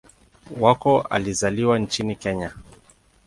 Wako alizaliwa nchini Kenya.